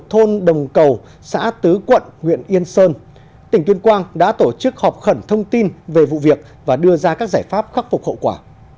tỉnh tuyên quang đã tổ chức họp khẩn thông tin về vụ việc và đưa ra các giải pháp khắc phục hậu quả